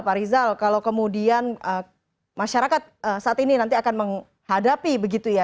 pak rizal kalau kemudian masyarakat saat ini nanti akan menghadapi begitu ya